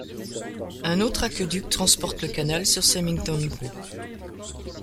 Un autre aqueduc transporte le canal sur Semington Brook.